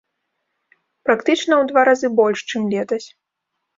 Практычна ў два разы больш, чым летась.